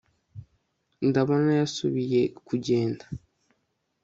ndabona yasubiye kugenda